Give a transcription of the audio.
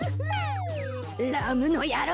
ラムの野郎